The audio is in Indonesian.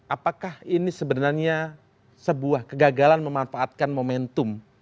apakah ini sebenarnya sebuah kegagalan memanfaatkan momentum